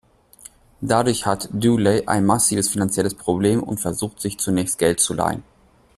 Dadurch hat Dooley ein massives finanzielles Problem und versucht sich zunächst Geld zu leihen.